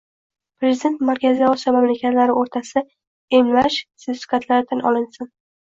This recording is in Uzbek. Prezident Markaziy Osiyo mamlakatlari oʻrtasida emlash sertifikatlari tan olinsin